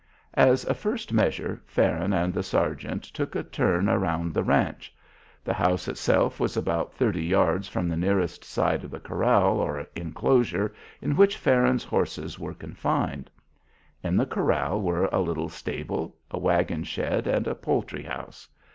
As a first measure Farron and the sergeant took a turn around the ranch. The house itself was about thirty yards from the nearest side of the corral, or enclosure, in which Farron's horses were confined. In the corral were a little stable, a wagon shed, and a poultry house.